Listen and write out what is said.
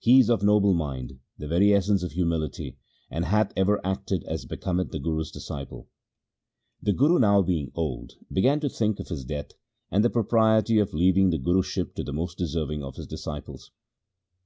He is of noble mind, the very essence of humility, SIKH. II L 146 THE SIKH RELIGION and hath ever acted as becometh the Guru's disciple.' The Guru being now old began to think of his death and the propriety of leaving the Guruship to the most deserving of his disciples.